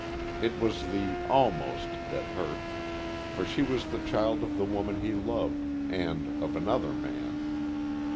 It was the "almost" that hurt; for she was the child of the woman he loved, and of another man....